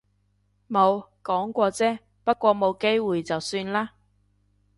冇，講過啫。不過冇機會就算喇